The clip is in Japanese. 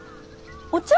お茶？